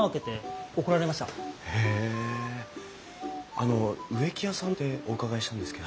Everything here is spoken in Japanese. あの植木屋さんってお伺いしたんですけど。